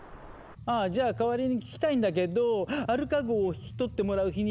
ああじゃあ代わりに聞きたいんだけどアルカ号を引き取ってもらう日にちを決めたいの。